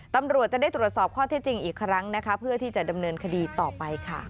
ตำรวจจะได้ตรวจสอบข้อเท็จจริงอีกครั้งนะคะเพื่อที่จะดำเนินคดีต่อไปค่ะ